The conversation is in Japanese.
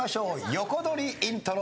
横取りイントロ。